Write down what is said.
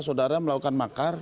saudara melakukan makar